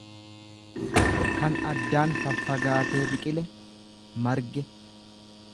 kan addaaan faffagaatee biqile, marge.